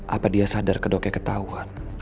apa dia sadar kedoknya ketahuan